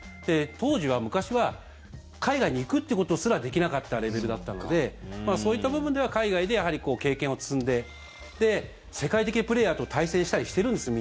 当時は昔は海外に行くということすらできなかったレベルだったのでそういった部分では海外で経験を積んで世界的なプレーヤーと対戦したりしてるんですよ